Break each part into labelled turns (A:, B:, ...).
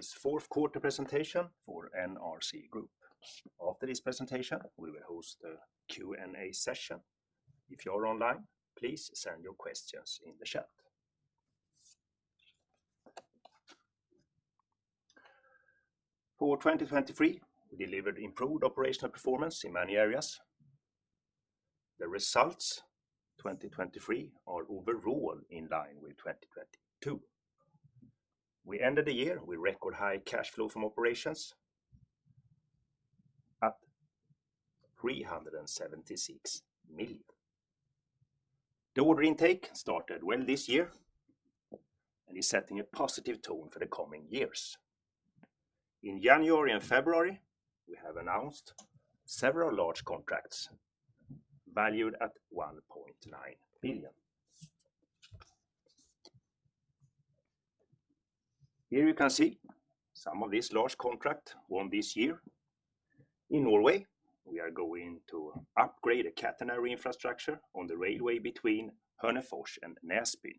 A: This Fourth Quarter Presentation for NRC Group. After this presentation, we will host a Q&A session. If you are online, please send your questions in the chat. For 2023, we delivered improved operational performance in many areas. The results 2023 are overall in line with 2022. We ended the year with record high cash flow from operations at 376 million. The order intake started well this year and is setting a positive tone for the coming years. In January and February, we have announced several large contracts valued at NOK 1.9 billion. Here you can see some of these large contracts won this year. In Norway, we are going to upgrade a catenary infrastructure on the railway between Hønefoss and Nesbyen,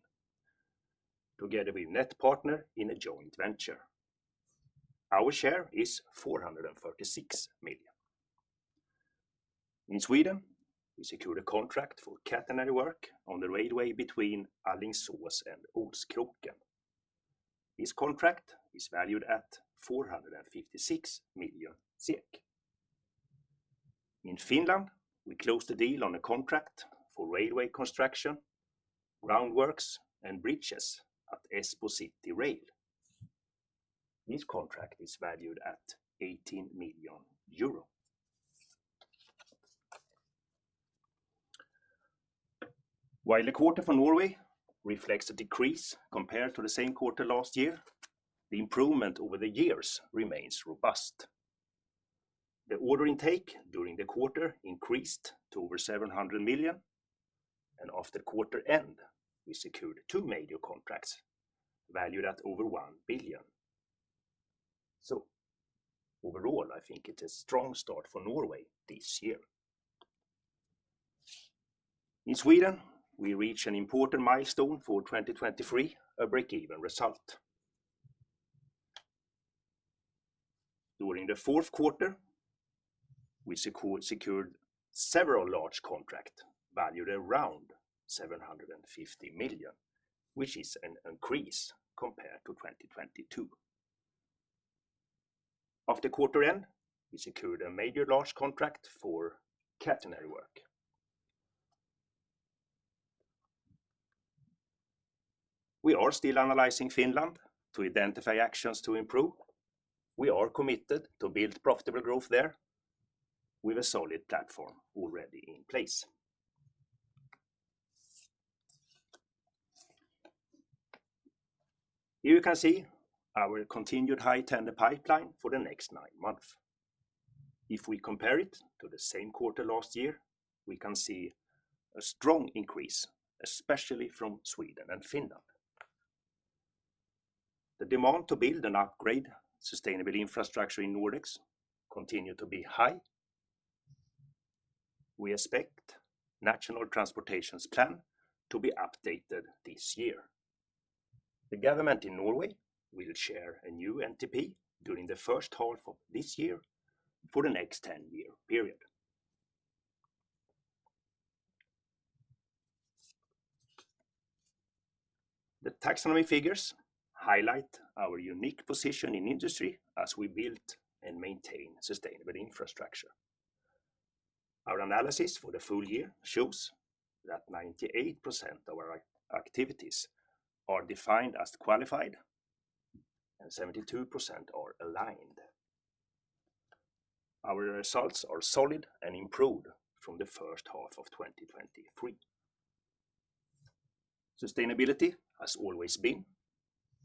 A: together with Nettpartner in a joint venture. Our share is 436 million. In Sweden, we secured a contract for catenary work on the railway between Alingsås and Åskroken. This contract is valued at 456 million SEK. In Finland, we closed a deal on a contract for railway construction, groundworks, and bridges at Espoo City Rail. This contract is valued at 18 million euro. While the quarter for Norway reflects a decrease compared to the same quarter last year, the improvement over the years remains robust. The order intake during the quarter increased to over 700 million, and after quarter end, we secured two major contracts valued at over 1 billion. So overall, I think it's a strong start for Norway this year. In Sweden, we reached an important milestone for 2023: a break-even result. During the fourth quarter, we secured several large contracts valued around 750 million, which is an increase compared to 2022. After quarter end, we secured a major large contract for catenary work. We are still analyzing Finland to identify actions to improve. We are committed to build profitable growth there, with a solid platform already in place. Here you can see our continued high-tender pipeline for the next nine months. If we compare it to the same quarter last year, we can see a strong increase, especially from Sweden and Finland. The demand to build and upgrade sustainable infrastructure in Nordics continues to be high. We expect the National Transportation Plan to be updated this year. The government in Norway will share a new NTP during the first half of this year for the next 10-year period. The Taxonomy figures highlight our unique position in industry as we build and maintain sustainable infrastructure. Our analysis for the full year shows that 98% of our activities are defined as qualified and 72% are aligned. Our results are solid and improved from the first half of 2023. Sustainability has always been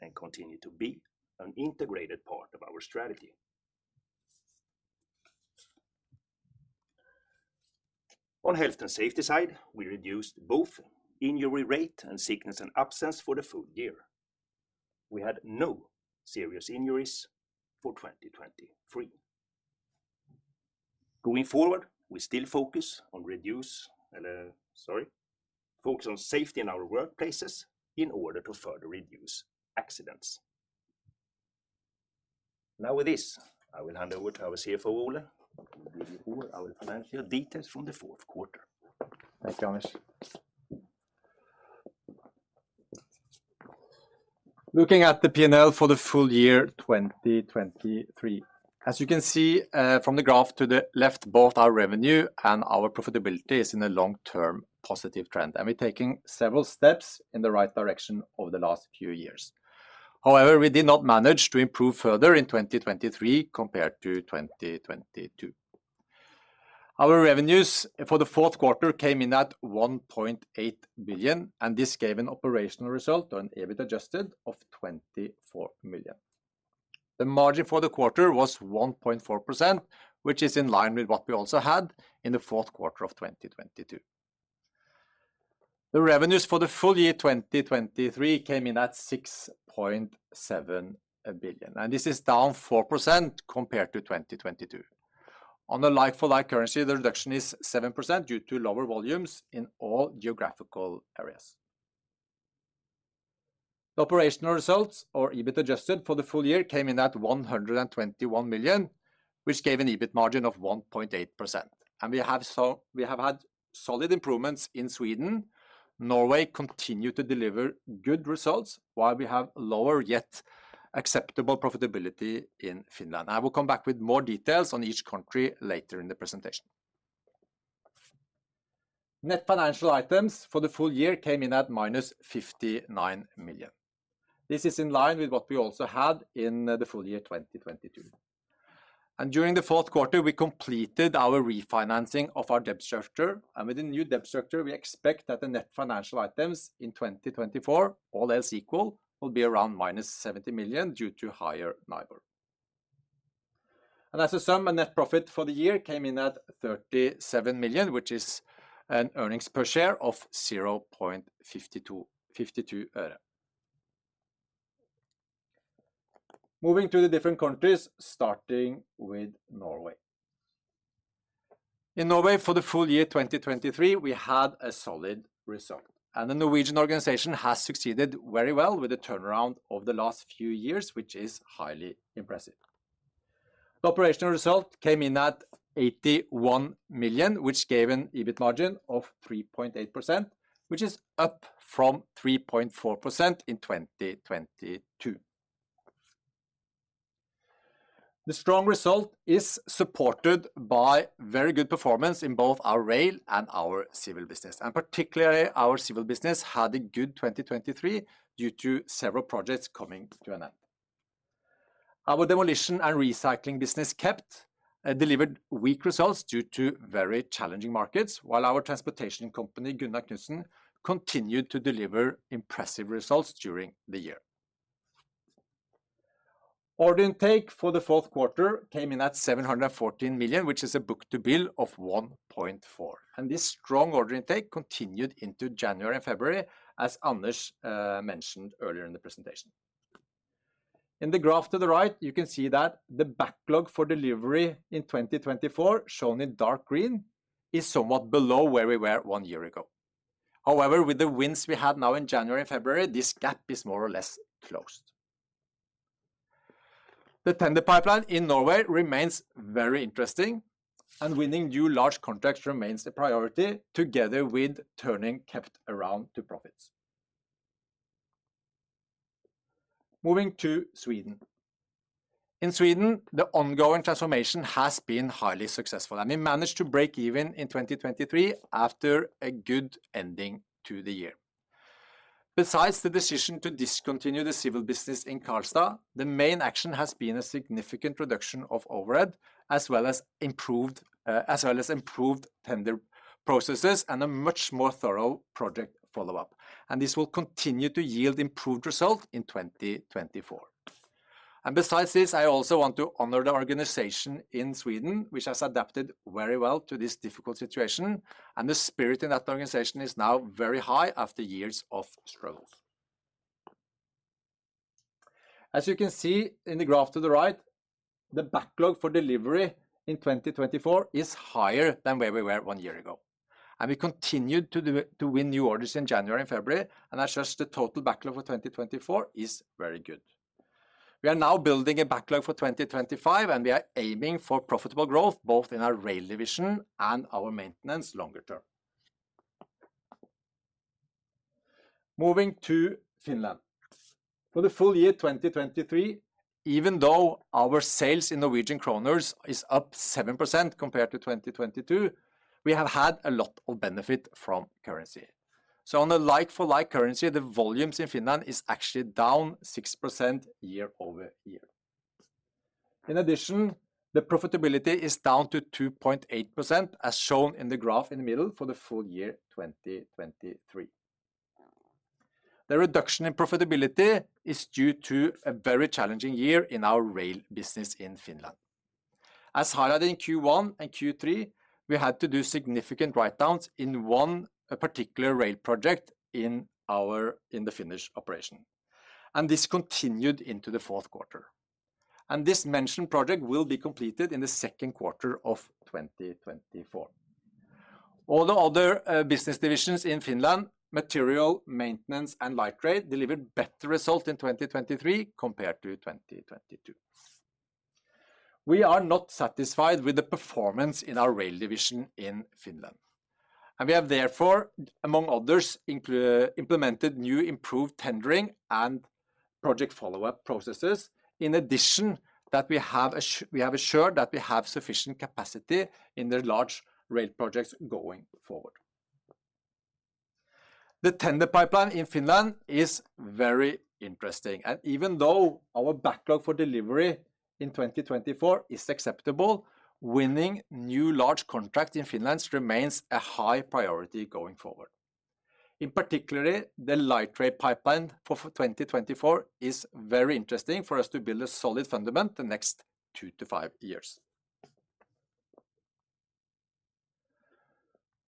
A: and continues to be an integrated part of our strategy. On health and safety side, we reduced both injury rate and sickness and absence for the full year. We had no serious injuries for 2023. Going forward, we still focus on safety in our workplaces in order to further reduce accidents. Now with this, I will hand over to our CFO, Ole, to give you all our financial details from the fourth quarter.
B: Thank you, Anders. Looking at the P&L for the full year 2023, as you can see from the graph to the left, both our revenue and our profitability are in a long-term positive trend, and we are taking several steps in the right direction over the last few years. However, we did not manage to improve further in 2023 compared to 2022. Our revenues for the fourth quarter came in at 1.8 billion, and this gave an operational result, or an EBIT adjusted, of 24 million. The margin for the quarter was 1.4%, which is in line with what we also had in the fourth quarter of 2022. The revenues for the full year 2023 came in at 6.7 billion, and this is down 4% compared to 2022. On a like-for-like currency, the reduction is 7% due to lower volumes in all geographical areas. The operational results, or EBIT adjusted, for the full year came in at 121 million, which gave an EBIT margin of 1.8%. We have had solid improvements in Sweden. Norway continues to deliver good results, while we have lower yet acceptable profitability in Finland. I will come back with more details on each country later in the presentation. Net financial items for the full year came in at -59 million. This is in line with what we also had in the full year 2022. During the fourth quarter, we completed our refinancing of our debt structure, and with the new debt structure, we expect that the net financial items in 2024, all else equal, will be around -70 million due to higher NIBOR. As a sum, a net profit for the year came in at 37 million, which is an earnings per share of 0.52 øre. Moving to the different countries, starting with Norway. In Norway, for the full year 2023, we had a solid result, and the Norwegian organization has succeeded very well with the turnaround of the last few years, which is highly impressive. The operational result came in at 81 million, which gave an EBIT margin of 3.8%, which is up from 3.4% in 2022. The strong result is supported by very good performance in both our rail and our civil business, and particularly our civil business had a good 2023 due to several projects coming to an end. Our demolition and recycling business, Kept, delivered weak results due to very challenging markets, while our transportation company, Gunnar Knutsen, continued to deliver impressive results during the year. Order intake for the fourth quarter came in at 714 million, which is a book-to-bill of 1.4, and this strong order intake continued into January and February, as Anders mentioned earlier in the presentation. In the graph to the right, you can see that the backlog for delivery in 2024, shown in dark green, is somewhat below where we were one year ago. However, with the wins we had now in January and February, this gap is more or less closed. The tender pipeline in Norway remains very interesting, and winning new large contracts remains a priority, together with turning Kept around to profits. Moving to Sweden. In Sweden, the ongoing transformation has been highly successful, and we managed to break even in 2023 after a good ending to the year. Besides the decision to discontinue the civil business in Karlstad, the main action has been a significant reduction of overhead, as well as improved tender processes and a much more thorough project follow-up, and this will continue to yield improved results in 2024. Besides this, I also want to honor the organization in Sweden, which has adapted very well to this difficult situation, and the spirit in that organization is now very high after years of struggles. As you can see in the graph to the right, the backlog for delivery in 2024 is higher than where we were one year ago, and we continued to win new orders in January and February, and I suggest the total backlog for 2024 is very good. We are now building a backlog for 2025, and we are aiming for profitable growth both in our rail division and our maintenance longer term. Moving to Finland. For the full year 2023, even though our sales in Norwegian kroner are up 7% compared to 2022, we have had a lot of benefit from currency. So, on a like-for-like currency, the volumes in Finland are actually down 6% year-over-year. In addition, the profitability is down to 2.8%, as shown in the graph in the middle for the full year 2023. The reduction in profitability is due to a very challenging year in our rail business in Finland. As highlighted in Q1 and Q3, we had to do significant write-downs in one particular rail project in the Finnish operation, and this continued into the fourth quarter. This mentioned project will be completed in the second quarter of 2024. All the other business divisions in Finland, material, maintenance, and light trade, delivered better results in 2023 compared to 2022. We are not satisfied with the performance in our rail division in Finland, and we have, therefore, among others, implemented new improved tendering and project follow-up processes, in addition to the fact that we have assured that we have sufficient capacity in the large rail projects going forward. The tender pipeline in Finland is very interesting, and even though our backlog for delivery in 2024 is acceptable, winning new large contracts in Finland remains a high priority going forward. In particular, the light rail pipeline for 2024 is very interesting for us to build a solid foundation the next two to five years.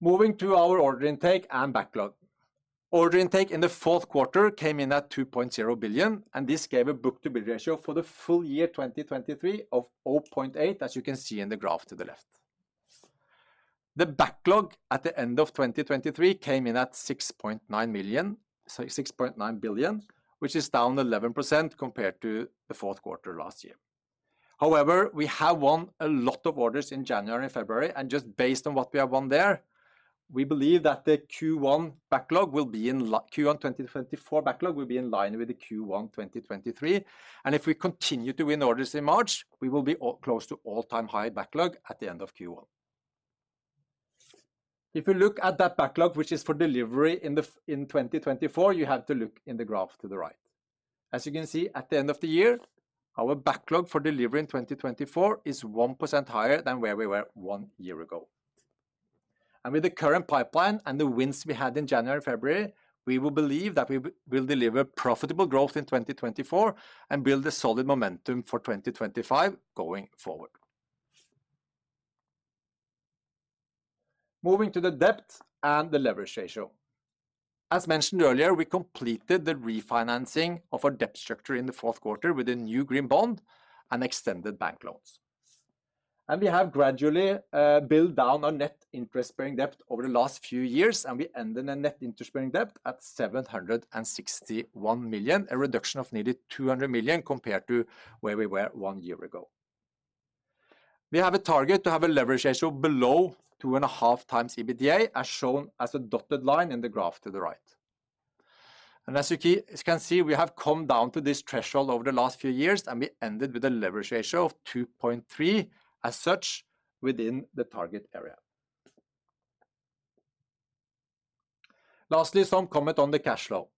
B: Moving to our order intake and backlog. Order intake in the fourth quarter came in at 2.0 billion, and this gave a book-to-bill ratio for the full year 2023 of 0.8, as you can see in the graph to the left. The backlog at the end of 2023 came in at 6.9 million, which is down 11% compared to the fourth quarter last year. However, we have won a lot of orders in January and February, and just based on what we have won there, we believe that the Q1 backlog will be in Q1 2024 backlog will be in line with the Q1 2023, and if we continue to win orders in March, we will be close to all-time high backlog at the end of Q1. If you look at that backlog, which is for delivery in 2024, you have to look in the graph to the right. As you can see, at the end of the year, our backlog for delivery in 2024 is 1% higher than where we were one year ago. With the current pipeline and the wins we had in January and February, we will believe that we will deliver profitable growth in 2024 and build a solid momentum for 2025 going forward. Moving to the debt and the leverage ratio. As mentioned earlier, we completed the refinancing of our debt structure in the fourth quarter with a new green bond and extended bank loans. We have gradually built down our net interest-bearing debt over the last few years, and we ended in a net interest-bearing debt at 761 million, a reduction of nearly 200 million compared to where we were one year ago. We have a target to have a leverage ratio below 2.5 times EBITDA, as shown as a dotted line in the graph to the right. As you can see, we have come down to this threshold over the last few years, and we ended with a leverage ratio of 2.3, as such, within the target area. Lastly, some comment on the cash flow.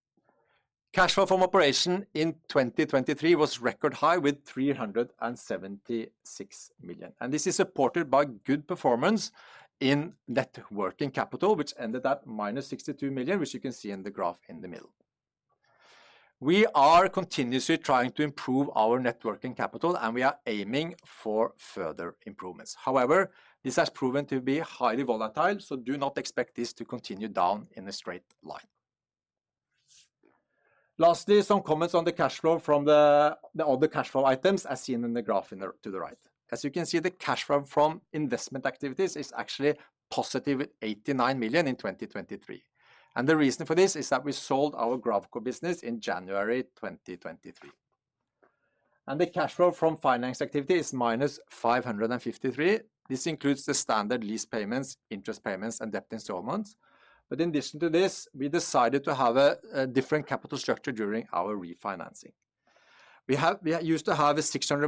B: Cash flow from operation in 2023 was record high with 376 million, and this is supported by good performance in net working capital, which ended at -62 million, which you can see in the graph in the middle. We are continuously trying to improve our net working capital, and we are aiming for further improvements. However, this has proven to be highly volatile, so do not expect this to continue down in a straight line. Lastly, some comments on the cash flow from the other cash flow items, as seen in the graph to the right. As you can see, the cash flow from investment activities is actually positive with 89 million in 2023, and the reason for this is that we sold our Gravco business in January 2023. The cash flow from finance activity is -553 million. This includes the standard lease payments, interest payments, and debt installments. But, in addition to this, we decided to have a different capital structure during our refinancing. We used to have a 600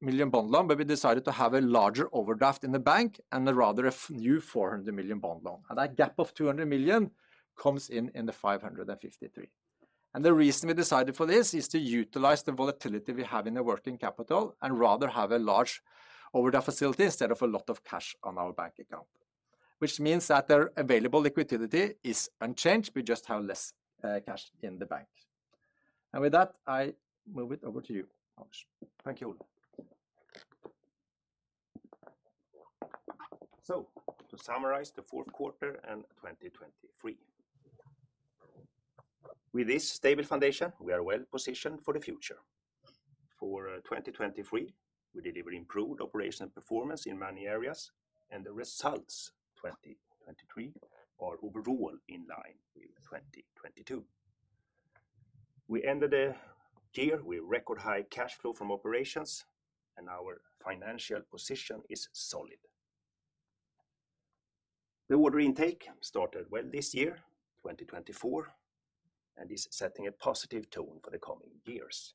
B: million bond loan, but we decided to have a larger overdraft in the bank and rather a new 400 million bond loan. That gap of 200 million comes in in the 553. And the reason we decided for this is to utilize the volatility we have in the working capital and rather have a large overdraft facility instead of a lot of cash on our bank account, which means that their available liquidity is unchanged. We just have less cash in the bank. And with that, I move it over to you, Anders. Thank you, Ole. So, to summarize the fourth quarter and 2023: With this stable foundation, we are well positioned for the future. For 2023, we deliver improved operational performance in many areas, and the results 2023 are overall in line with 2022. We ended the year with record high cash flow from operations, and our financial position is solid. The order intake started well this year, 2024, and is setting a positive tone for the coming years.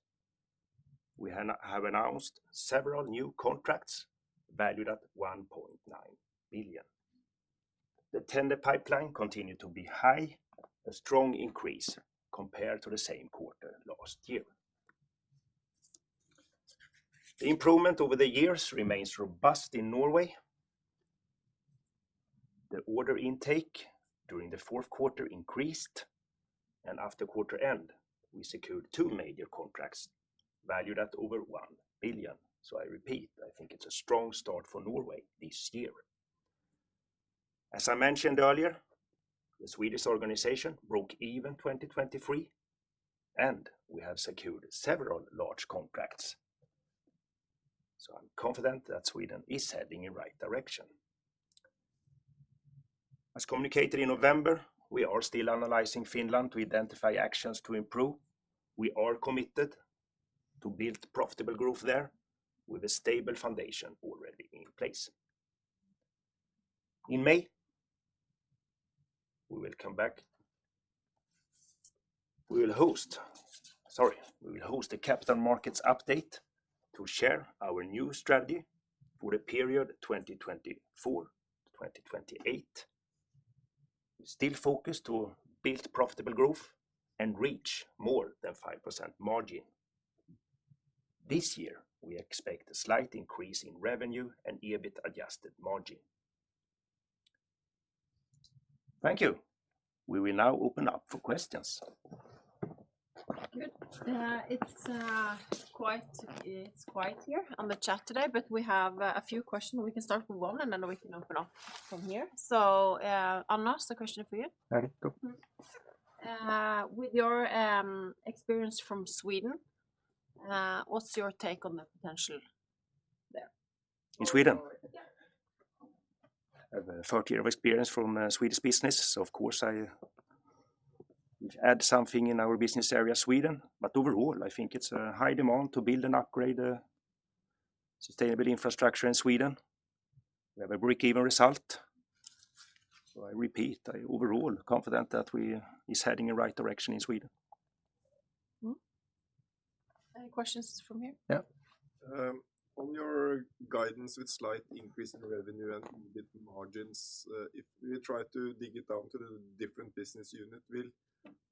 B: We have announced several new contracts valued at 1.9 billion. The Tender pipeline continues to be high, a strong increase compared to the same quarter last year. The improvement over the years remains robust in Norway. The order intake during the fourth quarter increased, and after quarter end, we secured two major contracts valued at over 1 billion. So, I repeat, I think it's a strong start for Norway this year. As I mentioned earlier, the Swedish organization broke even 2023, and we have secured several large contracts. So, I'm confident that Sweden is heading in the right direction. As communicated in November, we are still analyzing Finland to identify actions to improve. We are committed to build profitable growth there with a stable foundation already in place. In May, we will come back. We will host, sorry, we will host a Capital Markets Update to share our new strategy for the period 2024-2028. We still focus to build profitable growth and reach more than 5% margin. This year, we expect a slight increase in revenue and EBIT adjusted margin. Thank you. We will now open up for questions.
C: Good. It's quiet here on the chat today, but we have a few questions. We can start with one, and then we can open up from here. So, Anders, the question is for you.
A: Ready, good.
C: With your experience from Sweden, what's your take on the potential there?
A: In Sweden?
C: Yeah.
A: I have a 30-year experience from Swedish business, so of course, I add something in our business area Sweden. But, overall, I think it's a high demand to build and upgrade sustainable infrastructure in Sweden. We have a break-even result. So, I repeat, I'm overall confident that we are heading in the right direction in Sweden.
B: Any questions from here?
A: Yeah.
D: On your guidance with a slight increase in revenue and EBIT margins, if we try to dig it down to the different business units,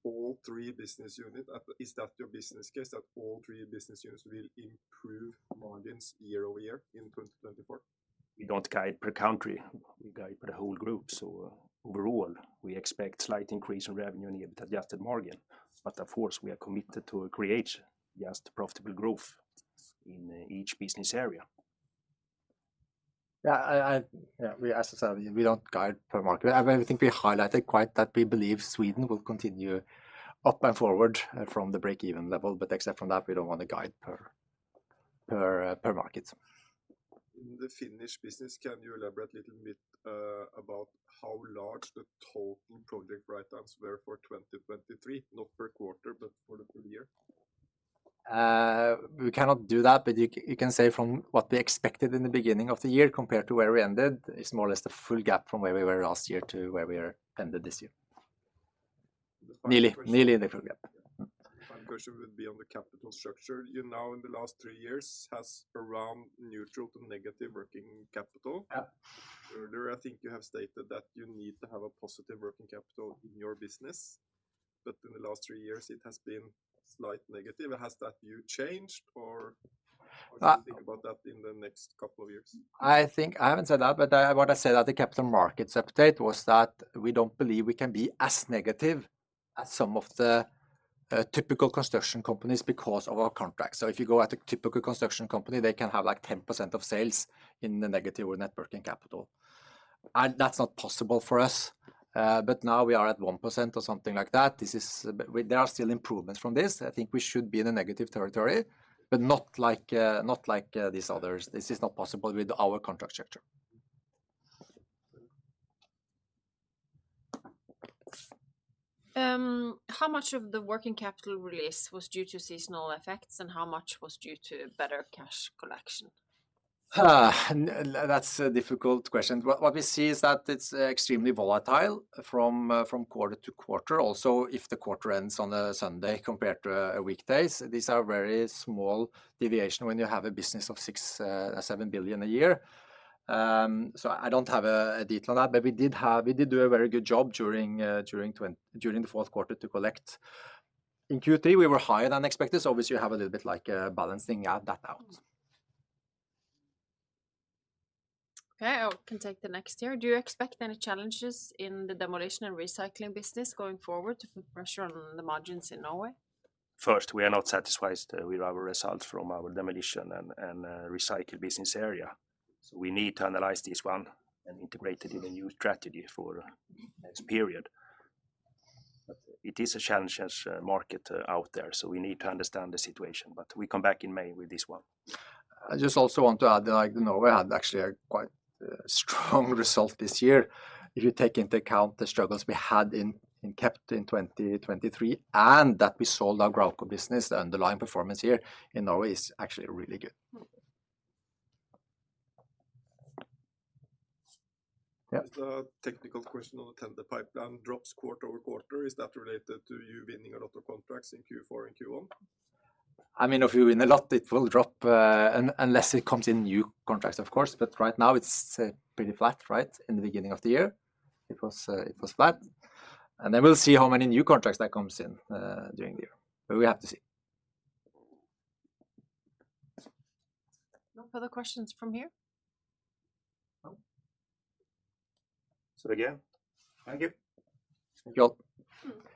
D: will all three business units, is that your business case, that all three business units will improve margins year over year in 2024?
A: We don't guide per country. We guide per whole group. So, overall, we expect a slight increase in revenue and EBIT adjusted margin. But, of course, we are committed to create just profitable growth in each business area.
B: Yeah, we don't guide per market. I think we highlighted quite that we believe Sweden will continue up and forward from the break-even level, but except from that, we don't want to guide per market.
D: In the Finnish business, can you elaborate a little bit about how large the total project write-downs were for 2023? Not per quarter, but for the full year.
B: We cannot do that, but you can say from what we expected in the beginning of the year compared to where we ended, it's more or less the full gap from where we were last year to where we are ended this year. Nearly in the full gap.
D: The final question would be on the capital structure. You know, in the last three years, have around neutral to negative working capital. Earlier, I think you have stated that you need to have a positive working capital in your business, but in the last three years, it has been slightly negative. Has that view changed, or do you think about that in the next couple of years?
A: I think I haven't said that, but what I said at the Capital Markets Update was that we don't believe we can be as negative as some of the typical construction companies because of our contracts. So, if you go at a typical construction company, they can have like 10% of sales in the negative or net working capital. That's not possible for us, but now we are at 1% or something like that. There are still improvements from this. I think we should be in the negative territory, but not like these others. This is not possible with our contract structure.
B: How much of the working capital release was due to seasonal effects, and how much was due to better cash collection?
A: That's a difficult question. What we see is that it's extremely volatile from quarter to quarter, also if the quarter ends on a Sunday compared to weekdays. These are very small deviations when you have a business of 7 billion a year. So, I don't have a detail on that, but we did do a very good job during the fourth quarter to collect. In Q3, we were higher than expected. So, obviously, you have a little bit like balancing that out.
B: Okay, I can take the next here. Do you expect any challenges in the demolition and recycling business going forward to put pressure on the margins in Norway?
A: First, we are not satisfied with our results from our demolition and recycling business area. So, we need to analyze this one and integrate it in a new strategy for the next period. But it is a challenging market out there, so we need to understand the situation. But we come back in May with this one.
B: I just also want to add that Norway had actually a quite strong result this year. If you take into account the struggles we had in 2023 and that we sold our Gravco business, the underlying performance here in Norway is actually really good.
D: Is the technical question on the tender pipeline drops quarter-over-quarter? Is that related to you winning a lot of contracts in Q4 and Q1?
A: I mean, if you win a lot, it will drop unless it comes in new contracts, of course. But, right now, it's pretty flat, right? In the beginning of the year, it was flat. And then we'll see how many new contracts that comes in during the year, but we have to see.
C: No further questions from here?
A: No. So, again, thank you.
B: Thank you all.